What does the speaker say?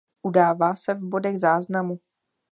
Udává se v bodech záznamu.